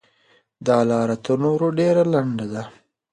دا لاره تر نورو ډېره لنډه ده.